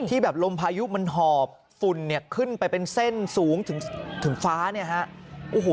ที่แบบลมพายุมันหอบฝุ่นเนี้ยขึ้นไปเป็นเส้นสูงถึงถึงฟ้าเนี้ยฮะ